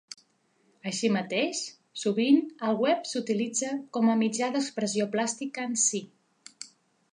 Així mateix, sovint el web s'utilitza com a mitjà d'expressió plàstica en si.